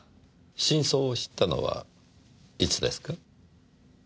真相を知ったのはいつですか？